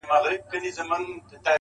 د زور ياري، د خره سپارکي ده.